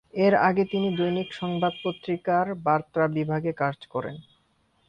এর আগে তিনি দৈনিক সংবাদ পত্রিকার বার্তা বিভাগে কাজ করেন।